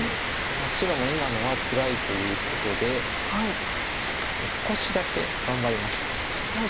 白も今のはつらいということで少しだけ頑張りました気持ち。